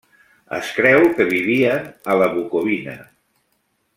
Es creu que vivien a la Bucovina.